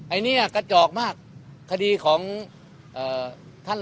ไอ้เนี่ยกระจอกมากคดีของเอ่อท่าน